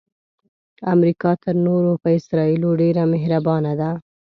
امریکا تر نورو په اسراییلو ډیره مهربانه ده.